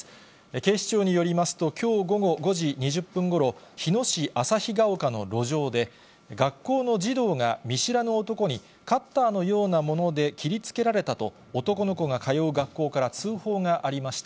警視庁によりますと、きょう午後５時２０分ごろ、日野市旭が丘の路上で、学校の児童が、見知らぬ男にカッターのようなもので切りつけられたと、男の子が通う学校から通報がありました。